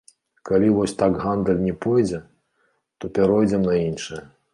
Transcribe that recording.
Калі вось так гандаль не пойдзе, то пяройдзем на іншае.